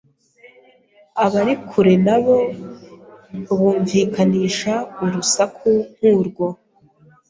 abari kure na bo bumvikanisha urusaku nk'urwo